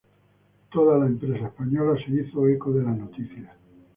Toda la prensa española se hizo eco de la noticia.